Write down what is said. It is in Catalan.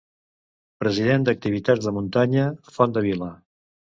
>>President d´activitats de muntanya: Font de Vila.